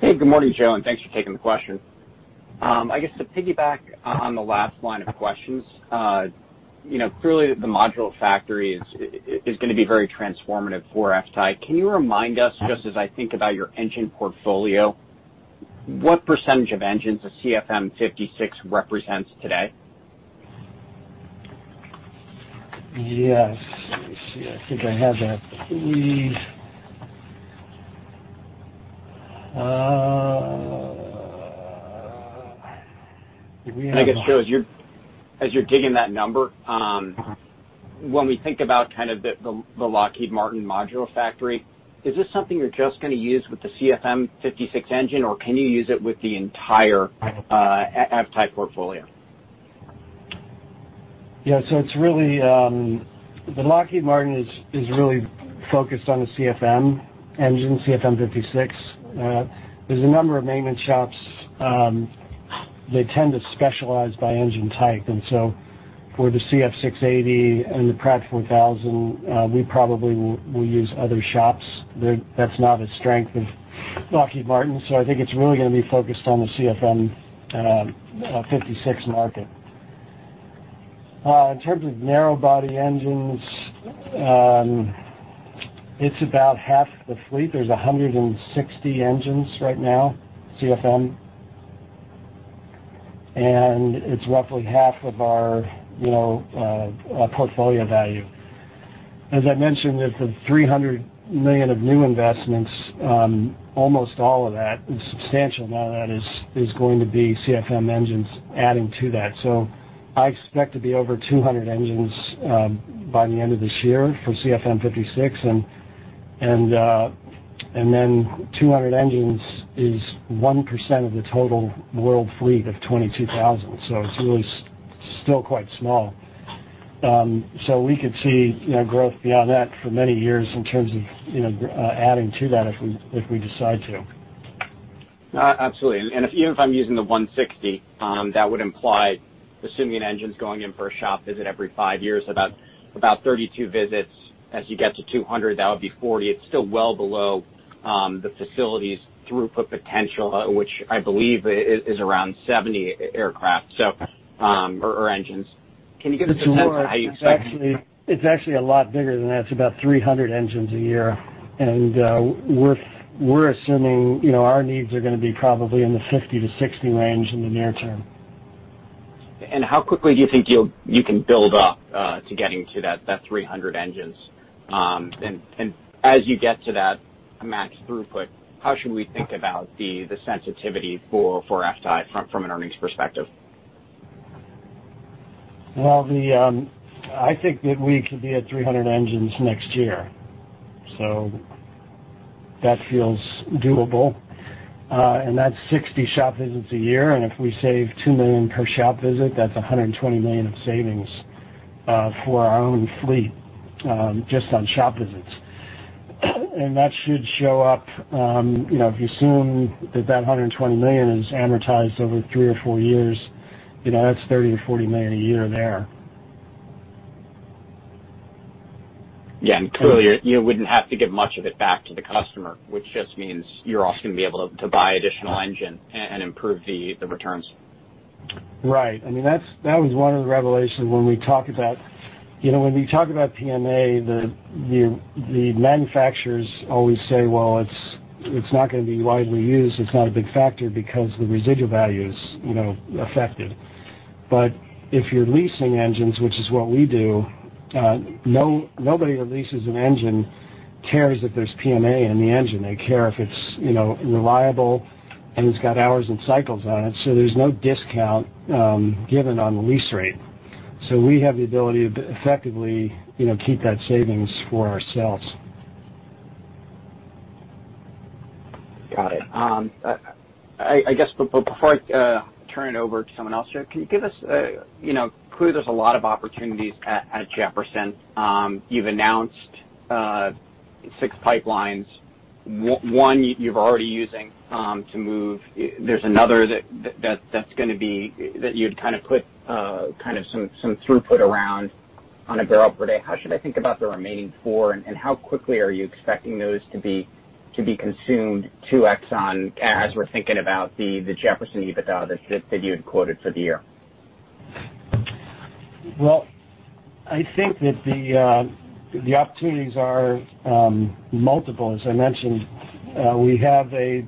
Hey, good morning, Joe. And thanks for taking the question. I guess to piggyback on the last line of questions, clearly, the module factory is going to be very transformative for FTAI. Can you remind us, just as I think about your engine portfolio, what percentage of engines a CFM56 represents today? Yes. Let me see. I think I have that. And I guess, Joe, as you're digging that number, when we think about kind of the Lockheed Martin module factory, is this something you're just going to use with the CFM56 engine, or can you use it with the entire FTAI portfolio? Yeah. So the Lockheed Martin is really focused on the CFM56 engine, CFM56. There's a number of maintenance shops. They tend to specialize by engine type. And so for the CF6-80 and the PW4000, we probably will use other shops. That's not a strength of Lockheed Martin. So I think it's really going to be focused on the CFM56 market. In terms of narrow-body engines, it's about half the fleet. There's 160 engines right now, CFM. And it's roughly half of our portfolio value. As I mentioned, there's the $300 million of new investments. Almost all of that is substantial. Now that is going to be CFM engines adding to that. So I expect to be over 200 engines by the end of this year for CFM56. And then 200 engines is 1% of the total world fleet of 22,000. So it's really still quite small. So we could see growth beyond that for many years in terms of adding to that if we decide to. Absolutely. And even if I'm using the 160, that would imply, assuming an engine's going in for a shop visit every five years, about 32 visits. As you get to 200, that would be 40. It's still well below the facility's throughput potential, which I believe is around 70 aircraft or engines. Can you give us a sense of how you expect? It's actually a lot bigger than that. It's about 300 engines a year. And we're assuming our needs are going to be probably in the 50-60 range in the near term. How quickly do you think you can build up to getting to that 300 engines? And as you get to that max throughput, how should we think about the sensitivity for FTAI from an earnings perspective? I think that we could be at 300 engines next year. So that feels doable. And that's 60 shop visits a year. And if we save $2 million per shop visit, that's $120 million of savings for our own fleet just on shop visits. And that should show up. If you assume that that $120 million is amortized over three or four years, that's $30-$40 million a year there. Yeah. And clearly, you wouldn't have to give much of it back to the customer, which just means you're also going to be able to buy additional engine and improve the returns. Right. I mean, that was one of the revelations when we talked about PMA, the manufacturers always say, "Well, it's not going to be widely used. It's not a big factor because the residual value is affected." But if you're leasing engines, which is what we do, nobody that leases an engine cares if there's PMA in the engine. They care if it's reliable and it's got hours and cycles on it. So there's no discount given on the lease rate. So we have the ability to effectively keep that savings for ourselves. Got it. I guess before I turn it over to someone else, Joe, can you give us clearly, there's a lot of opportunities at Jefferson. You've announced six pipelines. One you're already using to move. There's another that's going to be that you'd kind of put some throughput around on a barrel per day. How should I think about the remaining four? And how quickly are you expecting those to be consumed to Exxon as we're thinking about the Jefferson EBITDA that you had quoted for the year? I think that the opportunities are multiple. As I mentioned, we have a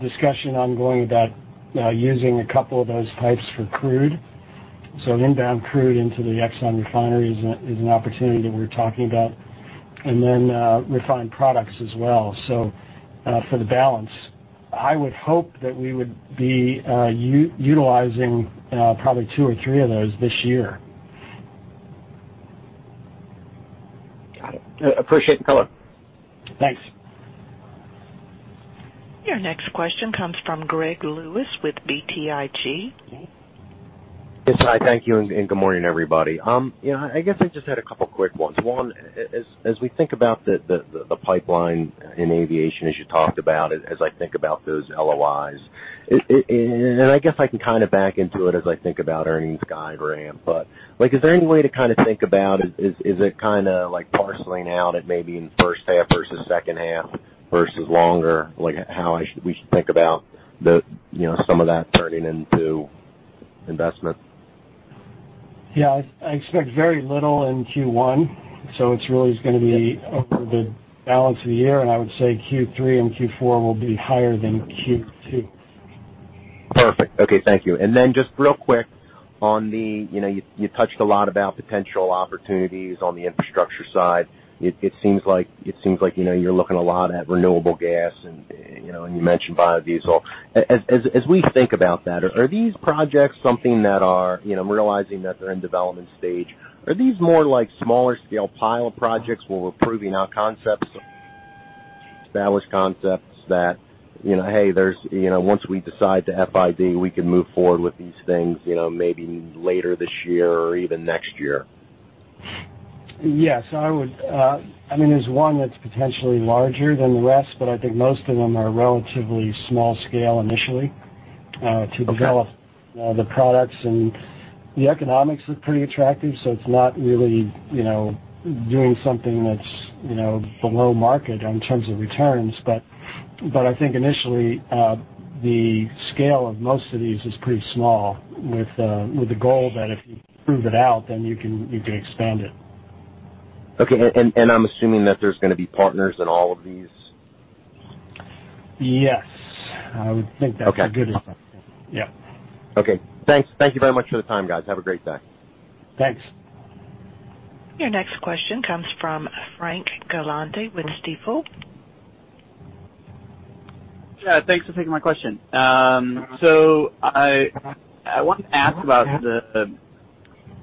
discussion ongoing about using a couple of those pipes for crude. Inbound crude into the Exxon refineries is an opportunity that we're talking about. Refined products as well. For the balance, I would hope that we would be utilizing probably two or three of those this year. Got it. Appreciate the color. Thanks. Your next question comes from Greg Lewis with BTIG. Yes, hi. Thank you. And good morning, everybody. I guess I just had a couple of quick ones. One, as we think about the pipeline in aviation, as you talked about it, as I think about those LOIs, and I guess I can kind of back into it as I think about earnings guide ramp, but is there any way to kind of think about, is it kind of parceling out it maybe in first half versus second half versus longer, how we should think about some of that turning into investment? Yeah. I expect very little in Q1. So it's really going to be over the balance of the year. And I would say Q3 and Q4 will be higher than Q2. Perfect. Okay. Thank you. And then just real quick on the you touched a lot about potential opportunities on the infrastructure side. It seems like you're looking a lot at renewable gas, and you mentioned biodiesel. As we think about that, are these projects something that are, I'm realizing that they're in development stage. Are these more like smaller-scale pilot projects where we're proving out concepts, established concepts that, "Hey, once we decide to FID, we can move forward with these things maybe later this year or even next year"? Yes. I mean, there's one that's potentially larger than the rest, but I think most of them are relatively small-scale initially to develop the products. And the economics look pretty attractive. So it's not really doing something that's below market in terms of returns. But I think initially, the scale of most of these is pretty small with the goal that if you prove it out, then you can expand it. Okay, and I'm assuming that there's going to be partners in all of these? Yes. I would think that's a good assumption. Yeah. Okay. Thanks. Thank you very much for the time, guys. Have a great day. Thanks. Your next question comes from Frank Galanti with Stifel. Yeah. Thanks for taking my question. So I want to ask about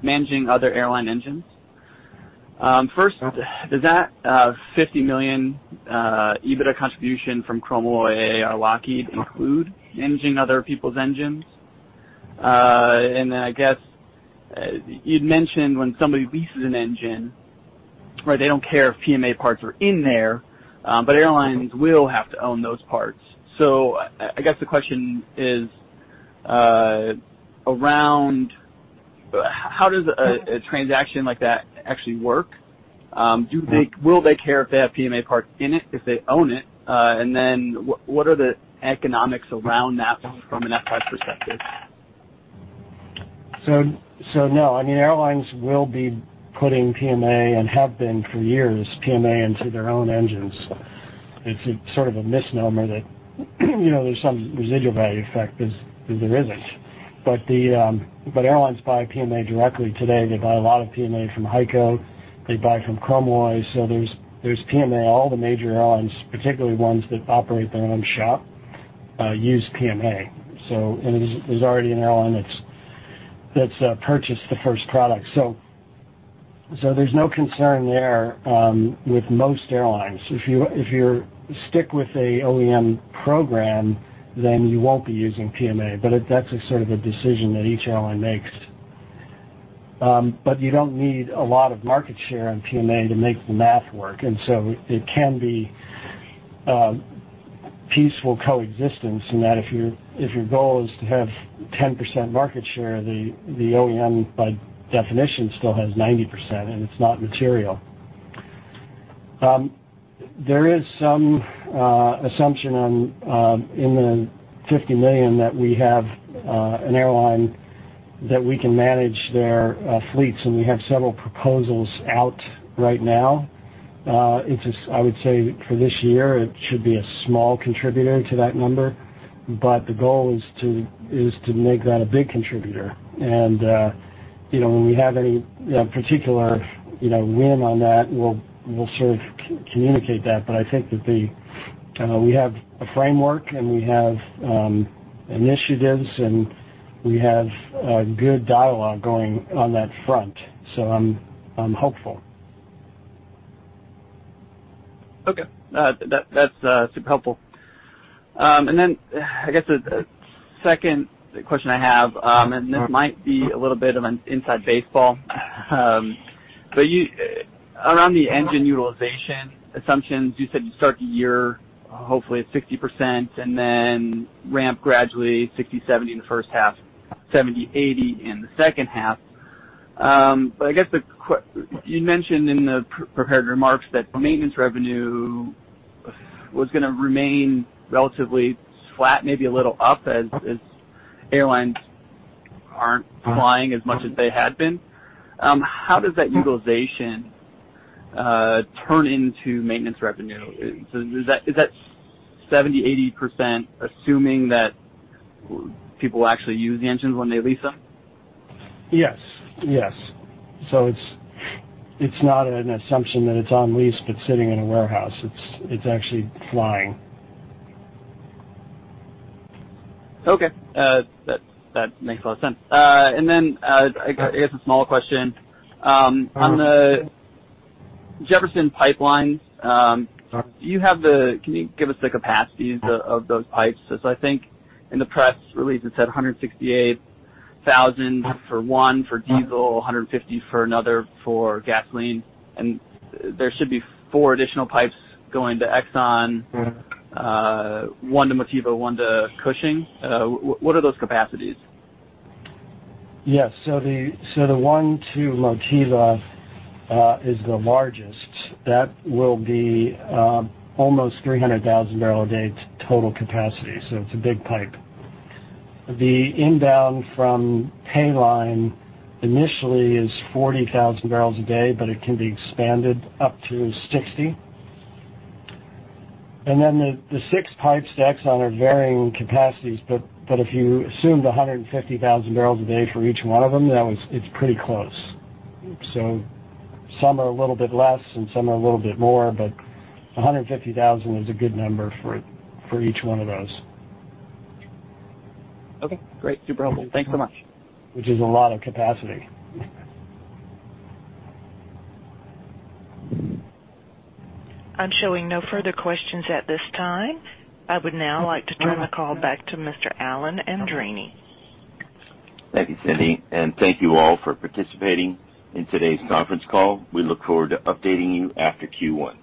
managing other airline engines. First, does that $50 million EBITDA contribution from Chromalloy, AAR, Lockheed include managing other people's engines? And then I guess you'd mentioned when somebody leases an engine, right, they don't care if PMA parts are in there, but airlines will have to own those parts. So I guess the question is around how does a transaction like that actually work? Will they care if they have PMA parts in it if they own it? And then what are the economics around that from an FTAI perspective? So no. I mean, airlines will be putting PMA and have been for years, PMA into their own engines. It's sort of a misnomer that there's some residual value effect because there isn't. But airlines buy PMA directly today. They buy a lot of PMA from HEICO. They buy from Chromalloy. So there's PMA. All the major airlines, particularly ones that operate their own shop, use PMA. And there's already an airline that's purchased the first product. So there's no concern there with most airlines. If you stick with the OEM program, then you won't be using PMA. But that's sort of a decision that each airline makes. But you don't need a lot of market share in PMA to make the math work. And so it can be peaceful coexistence in that if your goal is to have 10% market share, the OEM by definition still has 90%, and it's not material. There is some assumption in the $50 million that we have an airline that we can manage their fleets. And we have several proposals out right now. I would say for this year, it should be a small contributor to that number. But the goal is to make that a big contributor. And when we have any particular win on that, we'll sort of communicate that. But I think that we have a framework, and we have initiatives, and we have good dialogue going on that front. So I'm hopeful. Okay. That's super helpful. And then I guess the second question I have, and this might be a little bit of an inside baseball, but around the engine utilization assumptions, you said you'd start the year hopefully at 60%, and then ramp gradually 60%-70% in the first half, 70%-80% in the second half. But I guess you mentioned in the prepared remarks that maintenance revenue was going to remain relatively flat, maybe a little up as airlines aren't flying as much as they had been. How does that utilization turn into maintenance revenue? Is that 70%-80% assuming that people actually use the engines when they lease them? Yes. Yes. So it's not an assumption that it's on lease but sitting in a warehouse. It's actually flying. Okay. That makes a lot of sense. And then I guess a small question. On the Jefferson pipelines, can you give us the capacities of those pipes? So I think in the press release, it said 168,000 for one, for diesel, 150 for another, for gasoline. And there should be four additional pipes going to Exxon, one to Motiva, one to Cushing. What are those capacities? Yes. So the one to Motiva is the largest. That will be almost 300,000 barrels a day total capacity. So it's a big pipe. The inbound from PayLine initially is 40,000 barrels a day, but it can be expanded up to 60. And then the six pipes to Exxon are varying capacities. But if you assume the 150,000 barrels a day for each one of them, it's pretty close. So some are a little bit less, and some are a little bit more. But 150,000 is a good number for each one of those. Okay. Great. Super helpful. Thanks so much. Which is a lot of capacity. I'm showing no further questions at this time. I would now like to turn the call back to Mr. Alan Andreini. Thank you, Cindy. And thank you all for participating in today's conference call. We look forward to updating you after Q1.